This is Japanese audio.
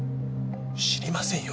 知りませんよ